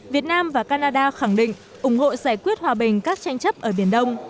việt nam và canada khẳng định ủng hộ giải quyết hòa bình các tranh chấp ở biển đông